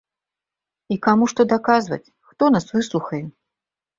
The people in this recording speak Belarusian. І каму што даказваць, хто нас выслухае?